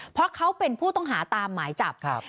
เพราะเขาเป็นผู้ต้องหาตามหมายจับครับ